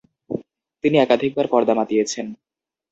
তিনি একাধিকবার পর্দা মাতিয়েছেন।